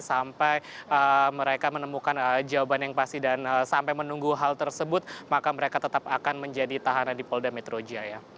sampai mereka menemukan jawaban yang pasti dan sampai menunggu hal tersebut maka mereka tetap akan menjadi tahanan di polda metro jaya